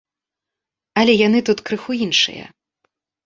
Але яны тут крыху іншыя.